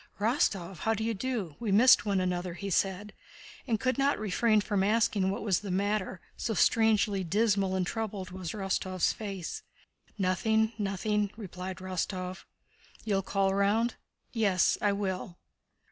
"Rostóv! How d'you do? We missed one another," he said, and could not refrain from asking what was the matter, so strangely dismal and troubled was Rostóv's face. "Nothing, nothing," replied Rostóv. "You'll call round?" "Yes, I will."